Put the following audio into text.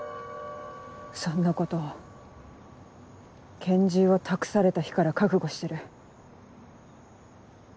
そんなこと拳銃を託された日から覚悟してる。